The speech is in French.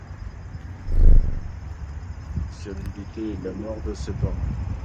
La raison de son insociabilité est la mort de ses parents.